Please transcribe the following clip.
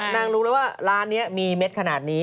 รู้แล้วว่าร้านนี้มีเม็ดขนาดนี้